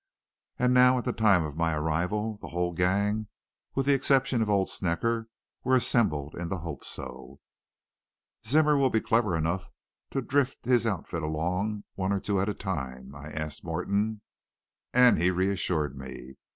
And now, at the time of my arrival, the whole gang, with the exception of old Snecker, were assembled in the Hope So. "'Zimmer will be clever enough to drift his outfit along one or two at a time?' I asked Morton, and he reassured me.